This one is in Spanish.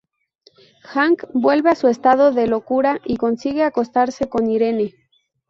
Hank vuelve a su estado de locura y consigue acostarse con Irene.